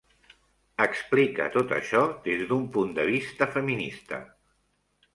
Explica tot això des d'un punt de vista feminista.